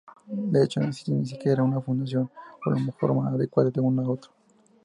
De hecho, no existe ni siquiera una función holomorfa adecuada de uno a otro.